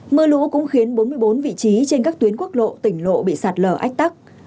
mưa lũ cũng khiến bốn mươi bốn vị trí trên các tuyến quốc lộ tỉnh lộ bị sạt lở ách tắc